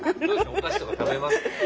お菓子とか食べます？